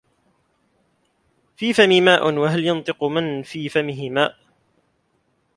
في فمي ماء وهل ينطق من في فمه ماء